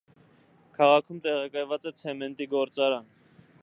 Քաղաքում տեղակայված է ցեմենտի գործարան։